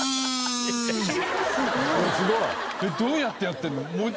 どうやってやってんの？